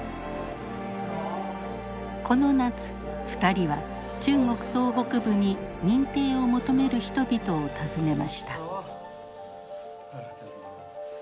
この夏２人は中国東北部に認定を求める人々を訪ねました。